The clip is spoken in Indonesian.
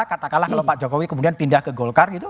katakanlah kalau pak jokowi kemudian pindah ke golkar gitu